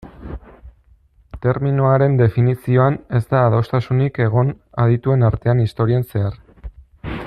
Terminoaren definizioan ez da adostasunik egon adituen artean historian zehar.